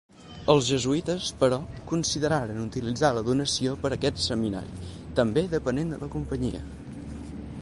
Els jesuïtes però, consideraren utilitzar la donació per aquest Seminari, també depenent de la Companyia.